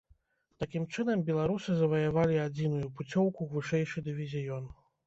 Такім чынам беларусы заваявалі адзіную пуцёўку ў вышэйшы дывізіён.